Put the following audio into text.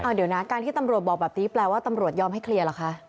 เดี๋ยวนะการที่ตำรวจบอกแบบนี้แปลว่าตำรวจยอมให้เคลียร์เหรอคะ